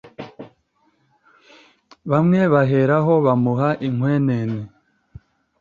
bamwe baheraho bamuha inkwenene